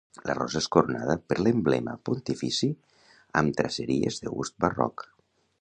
La rosa és coronada per l'emblema pontifici amb traceries de gust barroc.